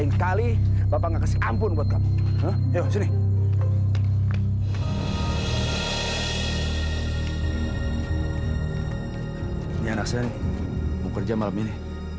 ini anak saya mau kerja malam ini